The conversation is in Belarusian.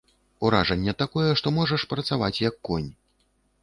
Уражанне такое, што можаш працаваць, як конь.